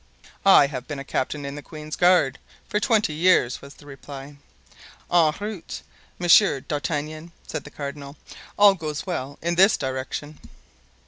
"I have been a captain in the queen's guards for twenty years," was the reply. "En route, Monsieur d'Artagnan," said the cardinal; "all goes well in this direction."